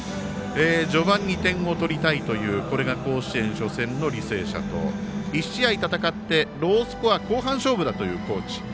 序盤に点を取りたいというこれが甲子園、初戦の履正社と１試合戦って、ロースコア後半勝負だという高知。